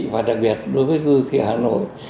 và đặc biệt đối với dư thị hà nội